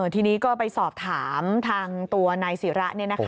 ทีนี้ก็ไปสอบถามทางตัวนายศีระนี่นะครับ